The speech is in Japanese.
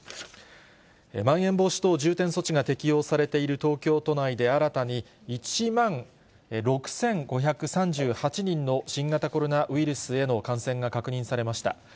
まん延防止等重点措置が適用されている東京都内で、新たに１万６５３８人の新型コロナウイルスへの感染が確認されました。